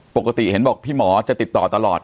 ปกติเห็นบอกพี่หมอจะติดต่อตลอด